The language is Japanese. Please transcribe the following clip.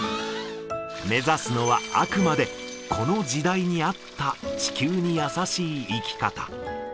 目指すのはあくまで、この時代に合った地球に優しい生き方。